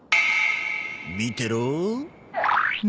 見てろ。